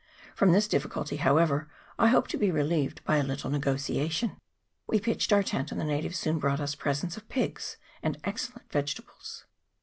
From this difficulty, however, I hoped to be relieved by a little nego tiation. We pitched our tent, and the natives soon brought us presents of pigs and excellent vegetables.